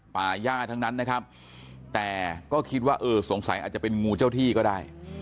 ป่าย่าทั้งนั้นนะครับแต่ก็คิดว่าเออสงสัยอาจจะเป็นงูเจ้าที่ก็ได้